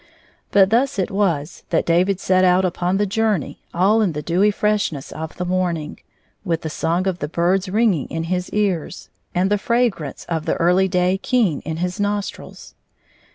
But thus it was that David set out upon that journey all in the dewy fi eshness of the morning, with the song of the birds ringing in his ears, and 127 <v the fragrance of the early day keen in his nostrils.